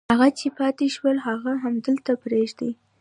هغه چې پاتې شول هغه همدلته پرېږدي.